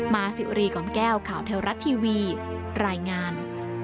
มาสิวรีกำแก้วข่าวเทลรัตน์ทีวีรายงาน